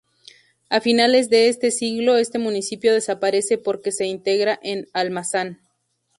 A finales de este siglo este municipio desaparece porque se integra en Almazán.